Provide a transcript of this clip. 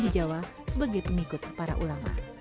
asal tidak lagi di jawa sebagai pengikut para ulama